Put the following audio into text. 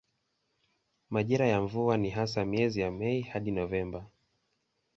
Majira ya mvua ni hasa miezi ya Mei hadi Novemba.